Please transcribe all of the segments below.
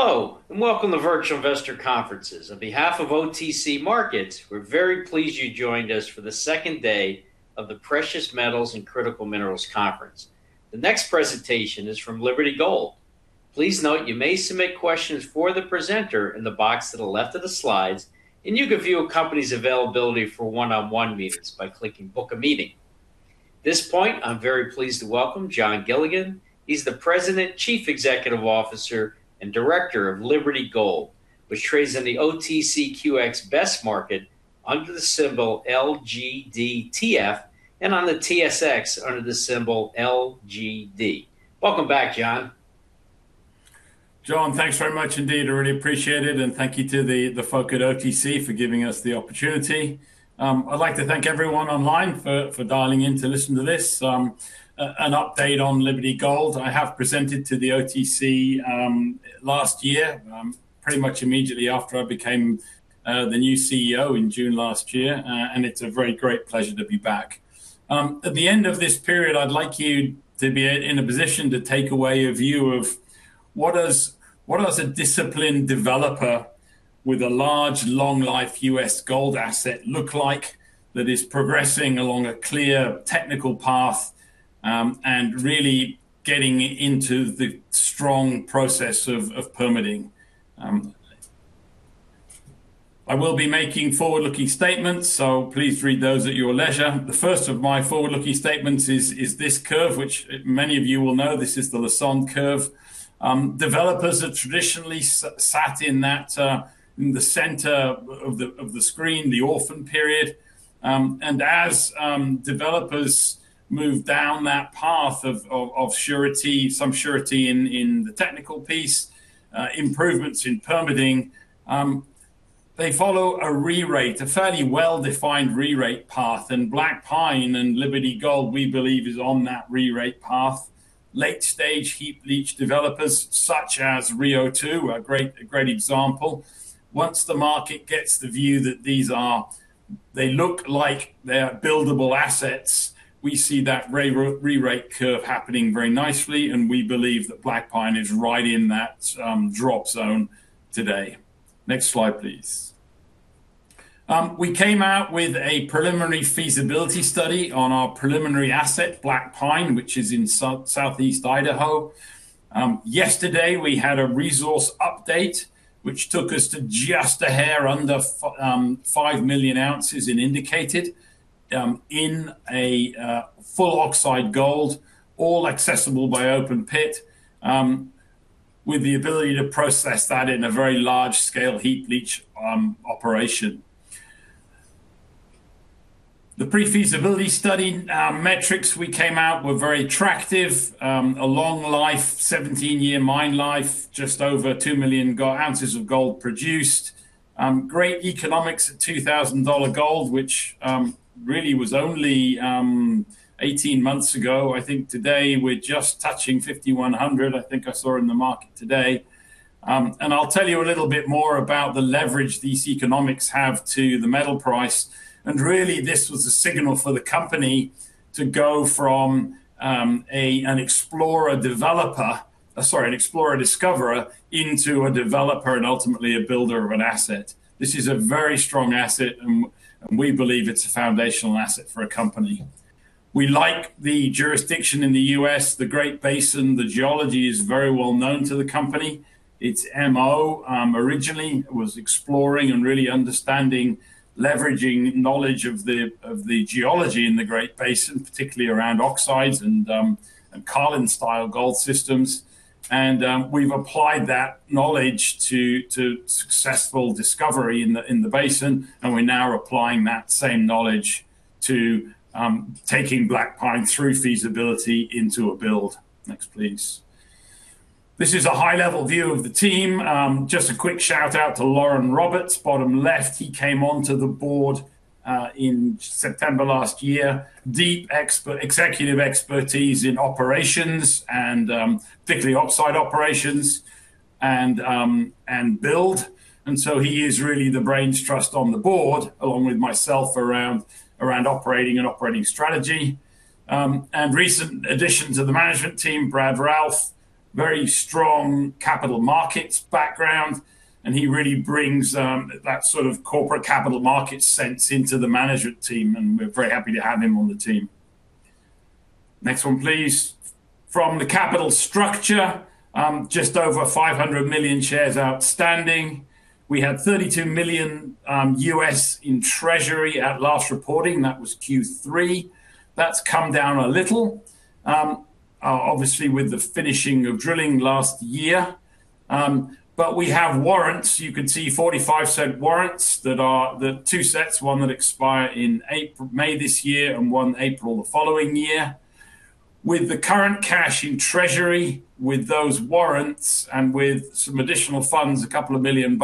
Hello, and welcome to Virtual Investor Conferences. On behalf of OTC Markets, we're very pleased you joined us for the second day of the Precious Metals and Critical Minerals Conference. The next presentation is from Liberty Gold. Please note, you may submit questions for the presenter in the box to the left of the slides, and you can view a company's availability for one-on-one meetings by clicking Book a Meeting. At this point, I'm very pleased to welcome Jon Gilligan. He's the President, Chief Executive Officer, and Director of Liberty Gold, which trades in the OTCQX Best Market under the symbol LGDTF, and on the TSX under the symbol LGD. Welcome back, Jon. John, thanks very much indeed. I really appreciate it, and thank you to the folk at OTC for giving us the opportunity. I'd like to thank everyone online for dialing in to listen to this, an update on Liberty Gold. I have presented to the OTC last year, pretty much immediately after I became the new CEO in June last year. And it's a very great pleasure to be back. At the end of this period, I'd like you to be in a position to take away a view of what does a disciplined developer with a large, long life U.S. gold asset look like, that is progressing along a clear technical path, and really getting into the strong process of permitting? I will be making forward-looking statements, so please read those at your leisure. The first of my forward-looking statements is this curve, which many of you will know, this is the Lassonde Curve. Developers have traditionally sat in that, in the center of the screen, the orphan period. And as developers move down that path of surety, some surety in the technical piece, improvements in permitting, they follow a rerate, a fairly well-defined rerate path, and Black Pine and Liberty Gold, we believe, is on that rerate path. Late-stage heap leach developers, such as Rio2, a great example. Once the market gets the view that these are... They look like they are buildable assets, we see that rerate curve happening very nicely, and we believe that Black Pine is right in that drop zone today. Next slide, please. We came out with a preliminary feasibility study on our preliminary asset, Black Pine, which is in Southeast Idaho. Yesterday, we had a resource update, which took us to just a hair under 5,000,000 oz in indicated, in a full oxide gold, all accessible by open pit, with the ability to process that in a very large-scale heap leach operation. The pre-feasibility study metrics we came out were very attractive. A long life, 17-year mine life, just over 2,000,000 oz of gold produced. Great economics at $2,000 gold, which really was only 18 months ago. I think today we're just touching $5,100, I think I saw in the market today. And I'll tell you a little bit more about the leverage these economics have to the metal price. And really, this was a signal for the company to go from an explorer-developer, sorry, an explorer-discoverer, into a developer and ultimately a builder of an asset. This is a very strong asset, and, and we believe it's a foundational asset for a company. We like the jurisdiction in the U.S., the Great Basin, the geology is very well known to the company. Its MO, originally, was exploring and really understanding, leveraging knowledge of the, of the geology in the Great Basin, particularly around oxides and Carlin-style gold systems. And, we've applied that knowledge to, to successful discovery in the, in the basin, and we're now applying that same knowledge to, taking Black Pine through feasibility into a build. Next, please. This is a high-level view of the team. Just a quick shout-out to Lauren Roberts, bottom left. He came onto the board in September last year. Deep executive expertise in operations and, particularly oxide operations and build. And so he is really the brains trust on the board, along with myself, around operating and operating strategy. And recent addition to the management team, Brad Ralph, very strong capital markets background, and he really brings that sort of corporate capital markets sense into the management team, and we're very happy to have him on the team. Next one, please. From the capital structure, just over 500 million shares outstanding. We had $32 million in treasury at last reporting, that was Q3. That's come down a little, obviously with the finishing of drilling last year. But we have warrants. You can see $0.45 warrants that are the two sets, one that expire in April-May this year and one April the following year. With the current cash in treasury, with those warrants, and with some additional funds, $2 million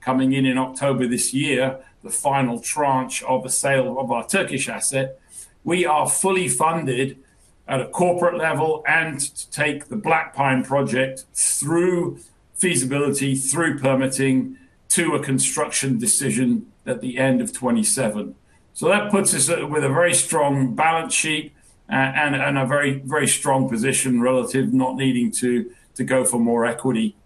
coming in in October this year, the final tranche of the sale of our Turkish asset, we are fully funded at a corporate level and to take the Black Pine project through feasibility, through permitting, to a construction decision at the end of 2027. So that puts us with a very strong balance sheet, and a very, very strong position relative, not needing to go for more equity.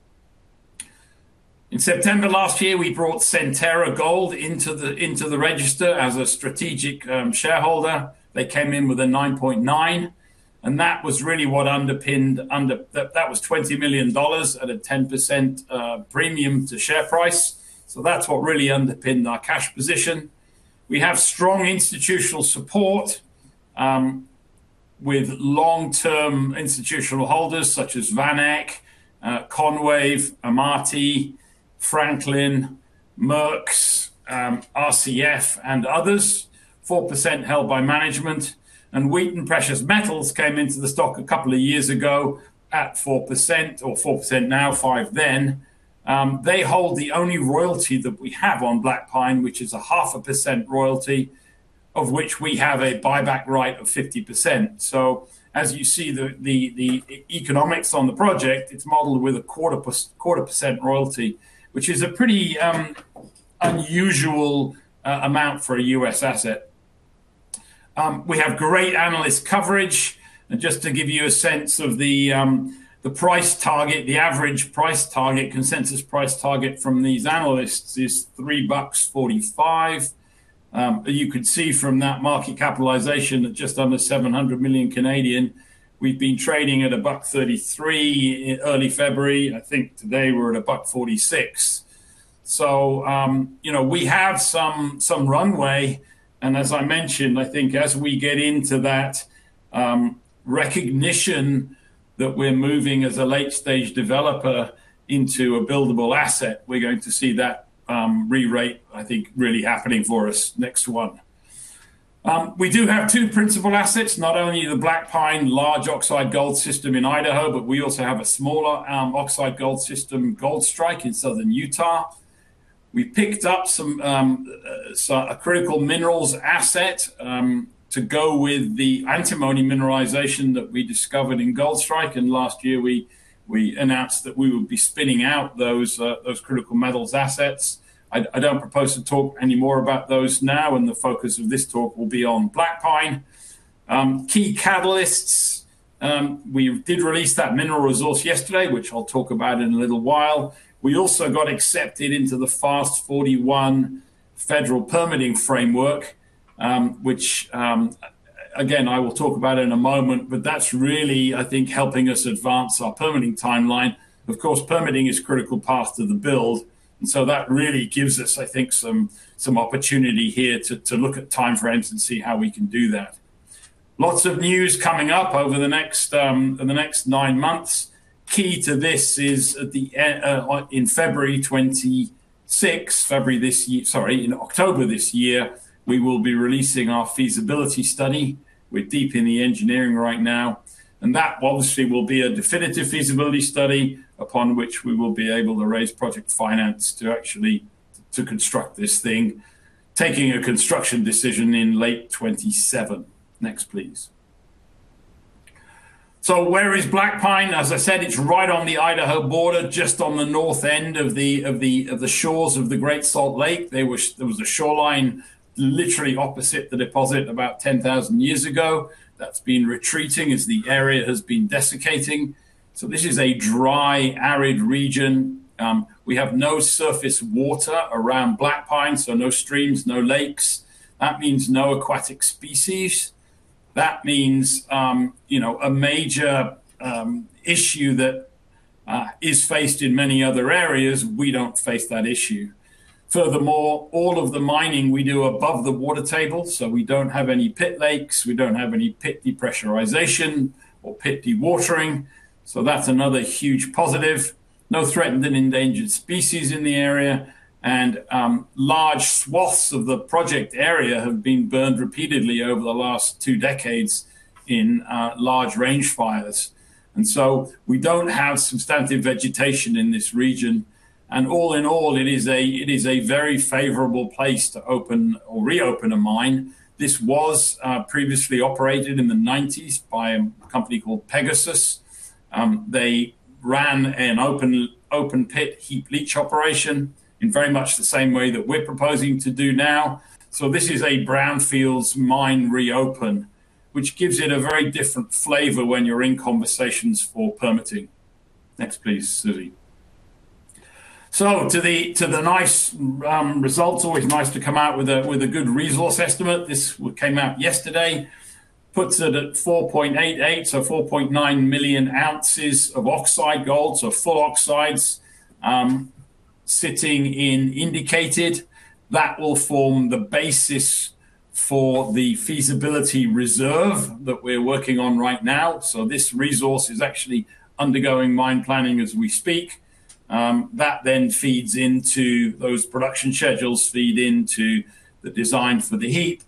In September last year, we brought Centerra Gold into the register as a strategic shareholder. They came in with a 9.9%, and that was really what underpinned that, that was $20 million at a 10% premium to share price. So that's what really underpinned our cash position. We have strong institutional support with long-term institutional holders such as VanEck, Konwave, Amati, Franklin, Merk, RCF, and others. 4% held by management, and Wheaton Precious Metals came into the stock a couple of years ago at 4%, or 4% now, 5% then. They hold the only royalty that we have on Black Pine, which is a 0.5% royalty, of which we have a buyback right of 50%. So as you see, the economics on the project, it's modeled with a quarter percent royalty, which is a pretty unusual amount for a U.S. asset. We have great analyst coverage, and just to give you a sense of the price target, the average price target, consensus price target from these analysts is 3.45 bucks. You could see from that market capitalization at just under 700 million, we've been trading at 1.33 in early February. I think today we're at 1.46. So, you know, we have some runway, and as I mentioned, I think as we get into that recognition that we're moving as a late-stage developer into a buildable asset, we're going to see that re-rate, I think, really happening for us. Next one. We do have two principal assets, not only the Black Pine large oxide gold system in Idaho, but we also have a smaller oxide gold system, Goldstrike, in southern Utah. We picked up some, so a critical minerals asset, to go with the antimony mineralization that we discovered in Goldstrike, and last year, we announced that we would be spinning out those, those critical metals assets. I don't propose to talk any more about those now, and the focus of this talk will be on Black Pine. Key catalysts. We did release that mineral resource yesterday, which I'll talk about in a little while. We also got accepted into the FAST-41 federal permitting framework, which, again, I will talk about in a moment, but that's really, I think, helping us advance our permitting timeline. Of course, permitting is a critical path to the build, and so that really gives us, I think, some opportunity here to look at timeframes and see how we can do that. Lots of news coming up over the next nine months. Key to this is at the end in October this year, we will be releasing our feasibility study. We're deep in the engineering right now, and that obviously will be a definitive feasibility study upon which we will be able to raise project finance to actually construct this thing, taking a construction decision in late 2027. Next, please. So where is Black Pine? As I said, it's right on the Idaho border, just on the north end of the shores of the Great Salt Lake. There was a shoreline literally opposite the deposit about 10,000 years ago. That's been retreating as the area has been desiccating. So this is a dry, arid region. We have no surface water around Black Pine, so no streams, no lakes. That means no aquatic species. That means, you know, a major issue that is faced in many other areas, we don't face that issue. Furthermore, all of the mining we do above the water table, so we don't have any pit lakes, we don't have any pit depressurization or pit dewatering. So that's another huge positive. No threatened and endangered species in the area, and large swaths of the project area have been burned repeatedly over the last two decades in large range fires. And so we don't have substantive vegetation in this region. And all in all, it is a very favorable place to open or reopen a mine. This was previously operated in the 1990s by a company called Pegasus. They ran an open-pit heap leach operation in very much the same way that we're proposing to do now. So this is a brownfields mine reopen, which gives it a very different flavor when you're in conversations for permitting. Next, please, Susie. So to the nice results, always nice to come out with a good resource estimate. This one came out yesterday, puts it at 4,880,00, so 4,900,00 oz of oxide gold, so four oxides, sitting in Indicated. That will form the basis for the feasibility reserve that we're working on right now. So this resource is actually undergoing mine planning as we speak. That then feeds into those production schedules, feed into the design for the heap,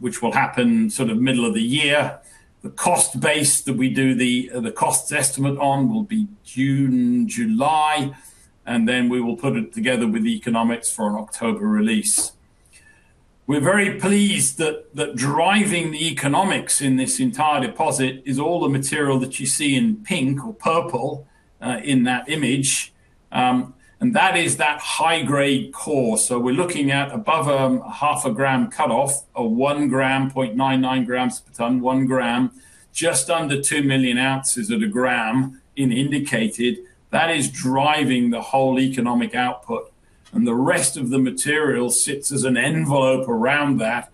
which will happen sort of middle of the year. The cost base that we do the costs estimate on will be June, July, and then we will put it together with the economics for an October release. We're very pleased that driving the economics in this entire deposit is all the material that you see in pink or purple in that image and that is that high-grade core. So we're looking at above 0.5 g cutoff, a 1 g, 0.99 g, per ton, 1 g, just under 2,000,000 oz at 1 g in indicated. That is driving the whole economic output, and the rest of the material sits as an envelope around that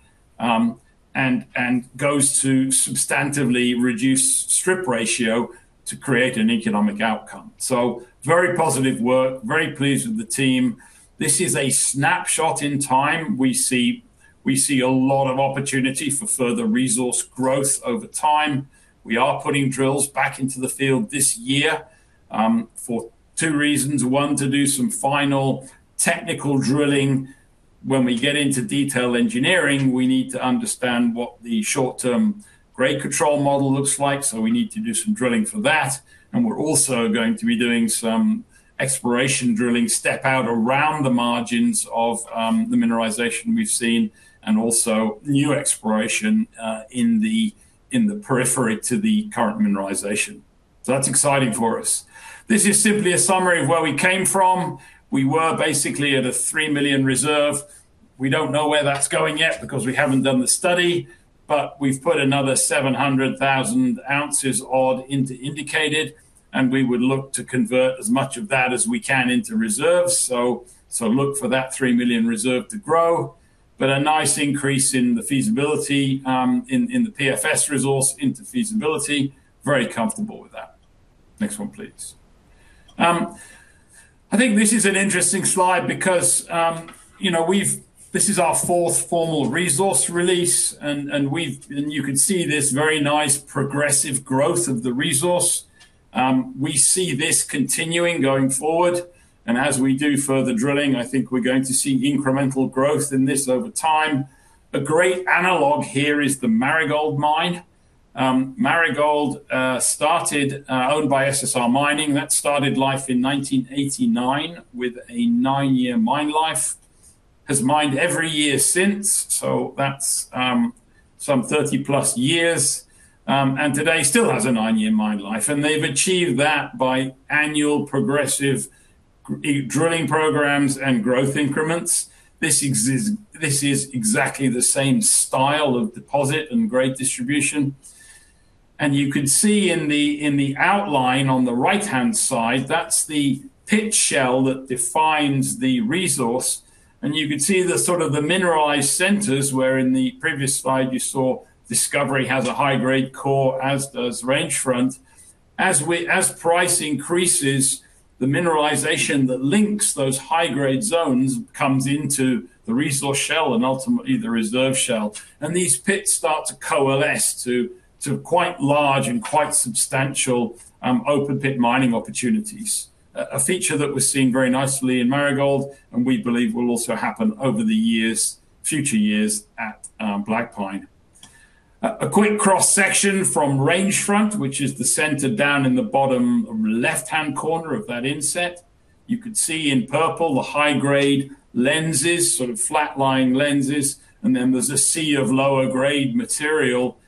and goes to substantively reduce strip ratio to create an economic outcome. So very positive work, very pleased with the team. This is a snapshot in time. We see, we see a lot of opportunity for further resource growth over time. We are putting drills back into the field this year for two reasons. One, to do some final technical drilling. When we get into detail engineering, we need to understand what the short-term grade control model looks like, so we need to do some drilling for that. And we're also going to be doing some exploration drilling, step out around the margins of the mineralization we've seen, and also new exploration in the periphery to the current mineralization. So that's exciting for us. This is simply a summary of where we came from. We were basically at a 3 million reserve. We don't know where that's going yet because we haven't done the study, but we've put another 700,000 oz odd into indicated, and we would look to convert as much of that as we can into reserves. So look for that 3 million reserve to grow, but a nice increase in the feasibility, in the PFS resource into feasibility. Very comfortable with that. Next one, please. I think this is an interesting slide because, you know, this is our fourth formal resource release, and you can see this very nice, progressive growth of the resource. We see this continuing going forward, and as we do further drilling, I think we're going to see incremental growth in this over time. A great analog here is the Marigold mine. Marigold started owned by SSR Mining. That started life in 1989 with a nine-year mine life. Has mined every year since, so that's some 30+ years, and today still has a nine-year mine life. And they've achieved that by annual progressive drilling programs and growth increments. This is exactly the same style of deposit and grade distribution. And you can see in the outline on the right-hand side, that's the pit shell that defines the resource. And you can see the sort of the mineralized centers, where in the previous slide you saw Discovery has a high-grade core, as does Range Front. As price increases, the mineralization that links those high-grade zones comes into the resource shell and ultimately the reserve shell. And these pits start to coalesce to quite large and quite substantial open-pit mining opportunities. A feature that was seen very nicely in Marigold, and we believe will also happen over the years, future years at Black Pine. A quick cross-section from Range Front, which is the center down in the bottom left-hand corner of that inset. You can see in purple the high-grade lenses, sort of flat-lying lenses, and then there's a sea of lower-grade material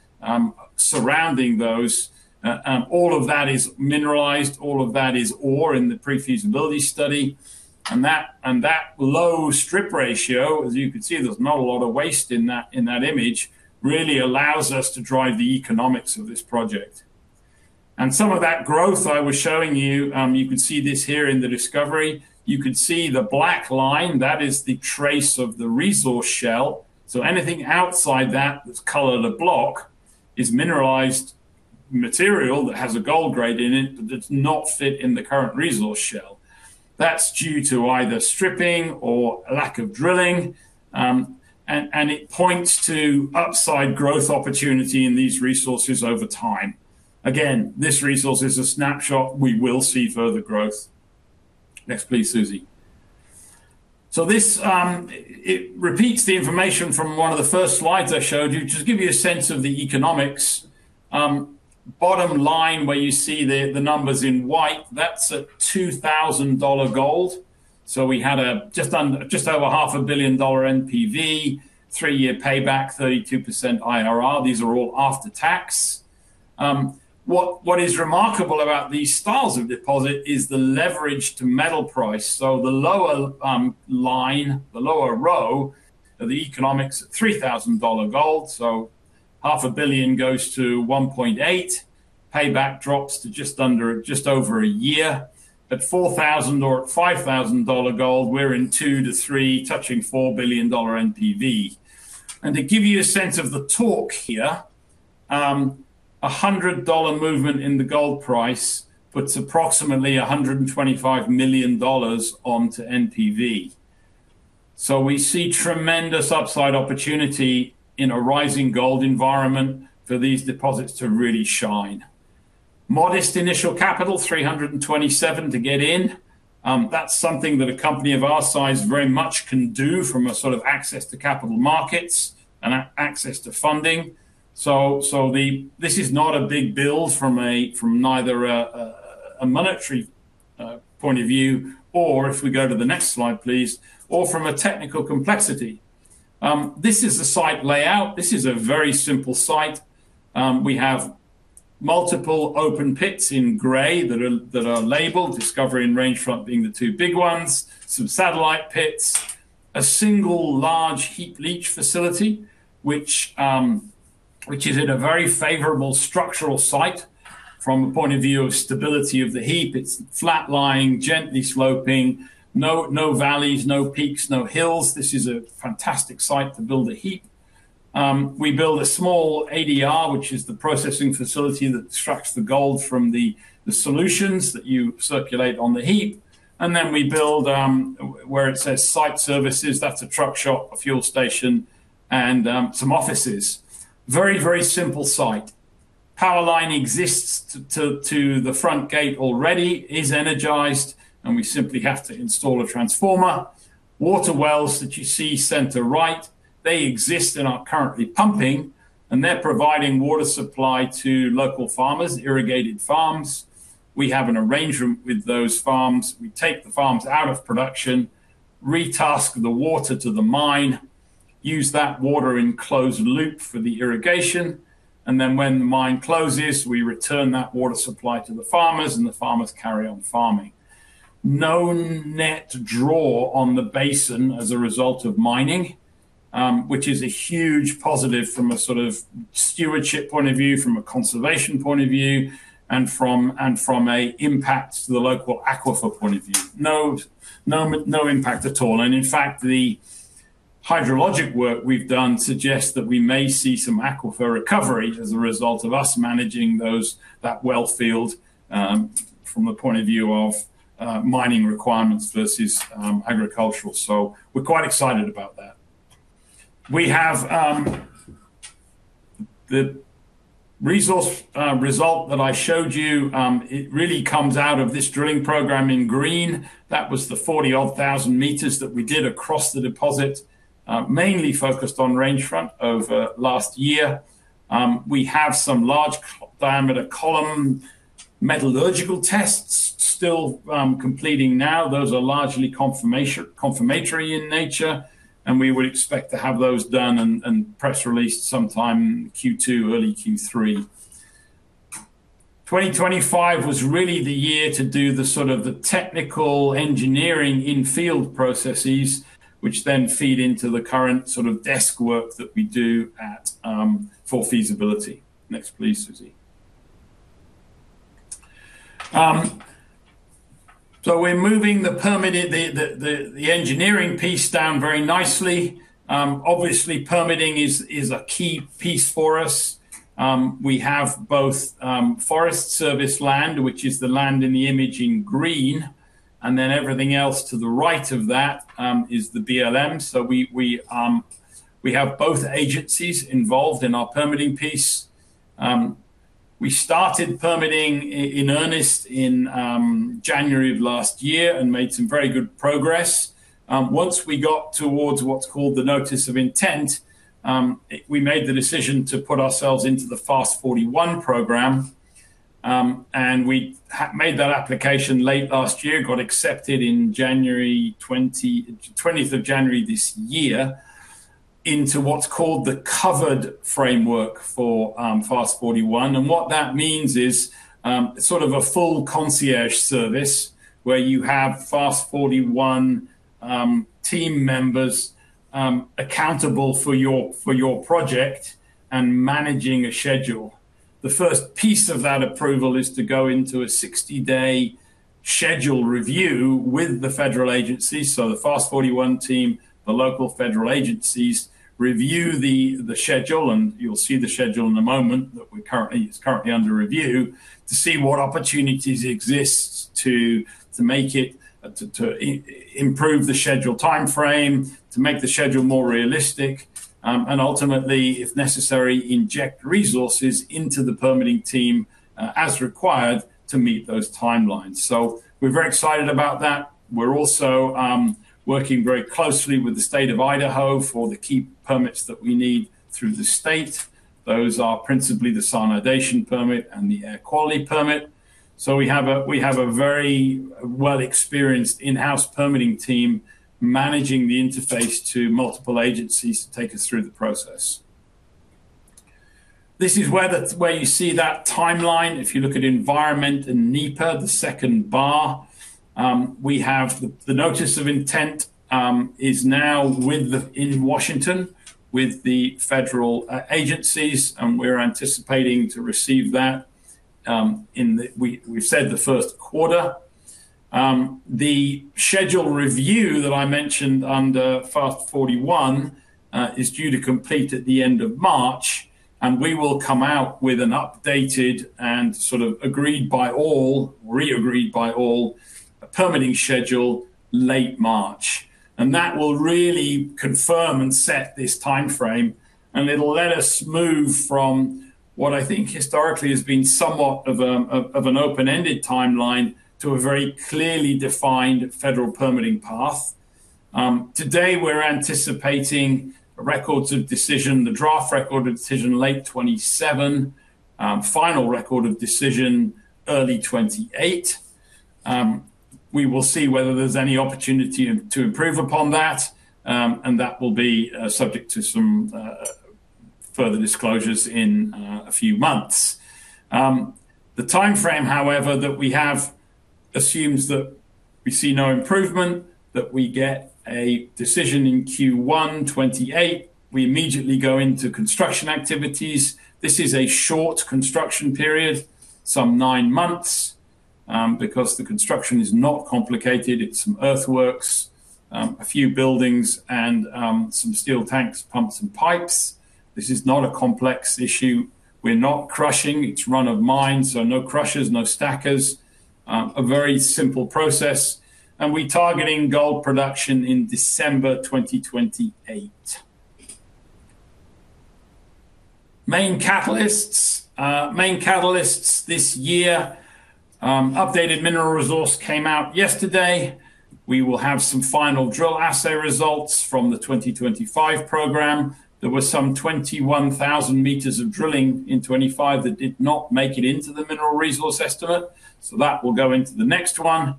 surrounding those. And all of that is mineralized, all of that is ore in the pre-feasibility study. And that, and that low strip ratio, as you can see, there's not a lot of waste in that, in that image, really allows us to drive the economics of this project. And some of that growth I was showing you, you can see this here in the discovery. You can see the black line, that is the trace of the resource shell. So anything outside that, that's colored a block, is mineralized material that has a gold grade in it, that does not fit in the current resource shell. That's due to either stripping or lack of drilling, and it points to upside growth opportunity in these resources over time. Again, this resource is a snapshot. We will see further growth. Next, please, Susie. So this, it repeats the information from one of the first slides I showed you, just to give you a sense of the economics. Bottom line, where you see the numbers in white, that's a $2,000 gold. So we had a just over $500 million NPV, three-year payback, 32% IRR. These are all after-tax. What is remarkable about these styles of deposit is the leverage to metal price. So the lower line, the lower row of the economics, $3,000 gold, so $500 million goes to $1.8 billion. Payback drops to just under, just over a year. At $4,000 or $5,000 gold, we're in $2 billion-$3 billion, touching $4 billion NPV. And to give you a sense of the torque here, a $100 movement in the gold price puts approximately $125 million onto NPV. So we see tremendous upside opportunity in a rising gold environment for these deposits to really shine. Modest initial capital, $327 million to get in. That's something that a company of our size very much can do from a sort of access to capital markets and access to funding. So, so the... This is not a big build from neither a monetary point of view, or if we go to the next slide, please, or from a technical complexity. This is a site layout. This is a very simple site. We have multiple open pits in grey that are labeled, Discovery and Range Front being the two big ones, some satellite pits, a single large heap leach facility, which is at a very favorable structural site from a point of view of stability of the heap. It's flat-lying, gently sloping, no valleys, no peaks, no hills. This is a fantastic site to build a heap. We build a small ADR, which is the processing facility that extracts the gold from the solutions that you circulate on the heap. Then we build where it says site services, that's a truck shop, a fuel station, and some offices. Very, very simple site. Power line exists to the front gate already, is energized, and we simply have to install a transformer. Water wells that you see center right, they exist and are currently pumping, and they're providing water supply to local farmers, irrigated farms. We have an arrangement with those farms. We take the farms out of production, retask the water to the mine, use that water in closed loop for the irrigation, and then when the mine closes, we return that water supply to the farmers, and the farmers carry on farming. No net draw on the basin as a result of mining, which is a huge positive from a sort of stewardship point of view, from a conservation point of view, and from, and from an impact to the local aquifer point of view. No, no, no impact at all. And in fact, the hydrologic work we've done suggests that we may see some aquifer recovery as a result of us managing those, that well field, from a point of view of, mining requirements versus, agricultural. So we're quite excited about that. We have, the resource, result that I showed you, it really comes out of this drilling program in green. That was the 40,000 m that we did across the deposit, mainly focused on Range Front over last year. We have some large diameter column metallurgical tests still completing now. Those are largely confirmation, confirmatory in nature, and we would expect to have those done and press released sometime Q2, early Q3. 2025 was really the year to do the sort of the technical engineering in-field processes, which then feed into the current sort of desk work that we do at for feasibility. Next, please, Susie. So we're moving the permitting, the engineering piece down very nicely. Obviously, permitting is a key piece for us. We have both Forest Service land, which is the land in the image in green, and then everything else to the right of that is the BLM. So we have both agencies involved in our permitting piece. We started permitting in earnest in January of last year and made some very good progress. Once we got towards what's called the Notice of Intent, we made the decision to put ourselves into the FAST-41 program. And we made that application late last year, got accepted in January 20th of January this year, into what's called the covered framework for FAST-41. And what that means is sort of a full concierge service where you have FAST-41 team members accountable for your project and managing a schedule. The first piece of that approval is to go into a 60-day schedule review with the federal agencies. So the FAST-41 team, the local federal agencies, review the schedule, and you'll see the schedule in a moment, that we're currently, it's currently under review, to see what opportunities exist to make it to improve the schedule time frame, to make the schedule more realistic, and ultimately, if necessary, inject resources into the permitting team, as required to meet those timelines. So we're very excited about that. We're also working very closely with the state of Idaho for the key permits that we need through the state. Those are principally the consolidation permit and the air quality permit. So we have a very well-experienced in-house permitting team managing the interface to multiple agencies to take us through the process. This is where you see that timeline. If you look at environment and NEPA, the second bar, we have the notice of intent is now with the in Washington, with the federal agencies, and we're anticipating to receive that in the we've said the first quarter. The schedule review that I mentioned under FAST-41 is due to complete at the end of March, and we will come out with an updated and sort of agreed by all, re-agreed by all, permitting schedule late March. And that will really confirm and set this time frame, and it'll let us move from what I think historically has been somewhat of an open-ended timeline to a very clearly defined federal permitting path. Today, we're anticipating records of decision, the draft record of decision, late 2027, final record of decision, early 2028. We will see whether there's any opportunity to improve upon that. And that will be subject to some further disclosures in a few months. The time frame, however, that we have assumes that we see no improvement, that we get a decision in Q1 2028, we immediately go into construction activities. This is a short construction period, some nine months, because the construction is not complicated. It's some earthworks, a few buildings, and some steel tanks, pumps, and pipes. This is not a complex issue. We're not crushing, it's run of mine, so no crushers, no stackers. A very simple process, and we're targeting gold production in December 2028. Main catalysts. Main catalysts this year, updated mineral resource came out yesterday. We will have some final drill assay results from the 2025 program. There were some 21,000 m of drilling in 2025 that did not make it into the mineral resource estimate, so that will go into the next one.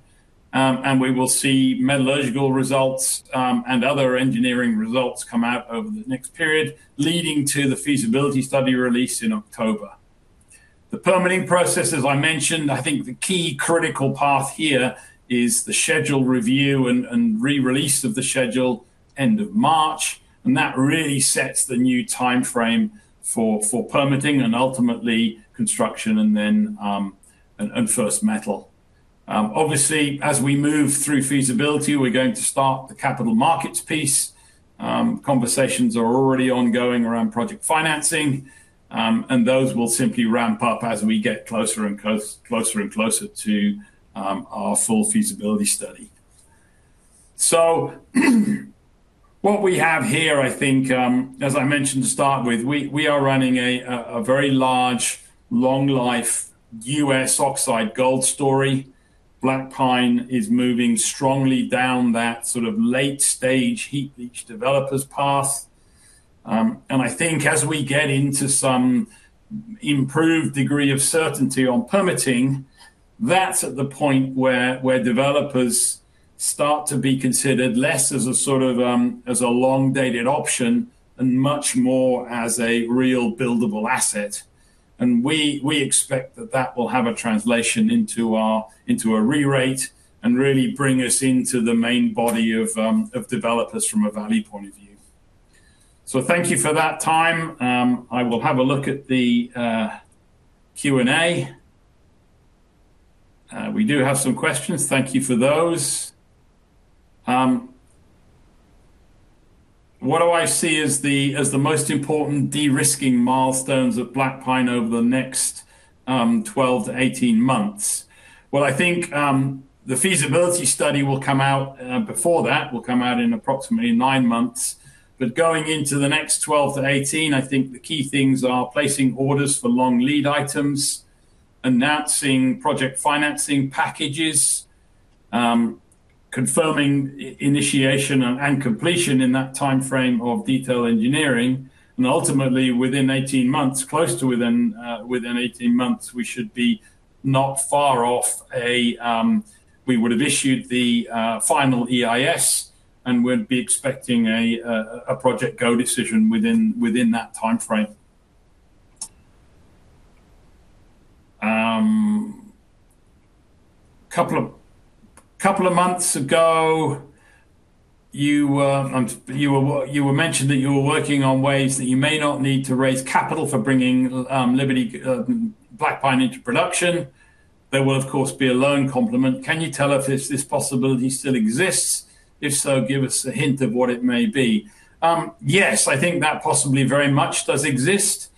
And we will see metallurgical results, and other engineering results come out over the next period, leading to the feasibility study release in October. The permitting process, as I mentioned, I think the key critical path here is the schedule review and re-release of the schedule, end of March, and that really sets the new timeframe for permitting and ultimately construction and then first metal. Obviously, as we move through feasibility, we're going to start the capital markets piece. Conversations are already ongoing around project financing, and those will simply ramp up as we get closer and closer to our full feasibility study. So what we have here, I think, as I mentioned to start with, we, we are running a, a very large, long life U.S. oxide gold story. Black Pine is moving strongly down that sort of late stage heap leach developers path. And I think as we get into some improved degree of certainty on permitting, that's at the point where, where developers start to be considered less as a sort of, as a long-dated option, and much more as a real buildable asset. And we, we expect that that will have a translation into our, into a re-rate, and really bring us into the main body of, of developers from a value point of view. So thank you for that time. I will have a look at the Q&A. We do have some questions. Thank you for those. What do I see as the, as the most important de-risking milestones at Black Pine over the next 12-18 months? Well, I think the feasibility study will come out before that. It will come out in approximately nine months. But going into the next 12-18, I think the key things are placing orders for long lead items, announcing project financing packages, confirming initiation and completion in that time frame of detailed engineering, and ultimately, within 18 months, close to within 18 months, we should be not far off a... We would have issued the final EIS, and we'd be expecting a project go decision within that time frame. A couple of months ago, you were mentioned that you were working on ways that you may not need to raise capital for bringing Liberty Black Pine into production. There will, of course, be a loan complement. Can you tell if this possibility still exists? If so, give us a hint of what it may be. Yes, I think that possibly very much does exist.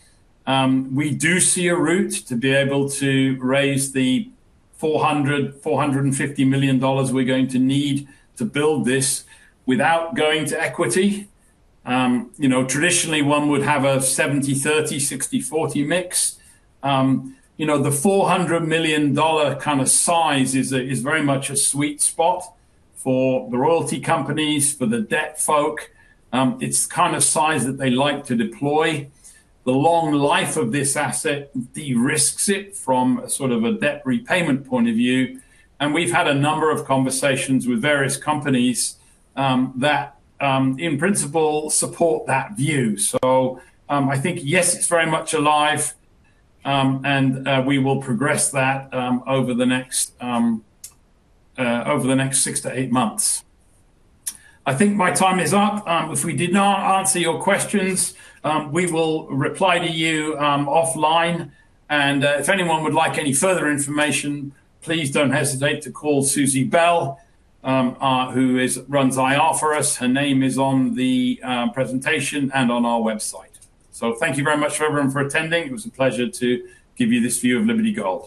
We do see a route to be able to raise the $450 million we're going to need to build this without going to equity. You know, traditionally, one would have a 70/30, 60/40 mix. You know, the $400 million kind of size is a sweet spot for the royalty companies, for the debt folk. It's the kind of size that they like to deploy. The long life of this asset de-risks it from sort of a debt repayment point of view, and we've had a number of conversations with various companies, that, in principle, support that view. So, I think, yes, it's very much alive, and we will progress that, over the next 6-8 months. I think my time is up. If we did not answer your questions, we will reply to you, offline. If anyone would like any further information, please don't hesitate to call Susie Bell, who runs IR for us. Her name is on the presentation and on our website. So thank you very much, everyone, for attending. It was a pleasure to give you this view of Liberty Gold.